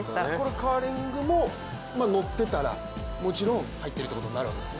カーリングも乗ってたらもちろん入ってるということになるんですよね？